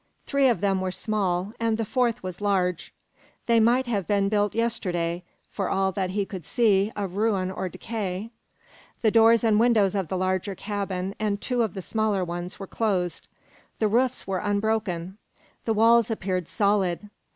Three of them were small, and the fourth was large. They might have been built yesterday, for all that he could see of ruin or decay. The doors and windows of the larger cabin and two of the smaller ones were closed. The roofs were unbroken. The walls appeared solid.